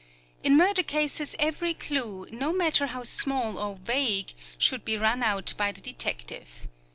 In murder cases every clue, no matter how small or vague, should be run out by the detective.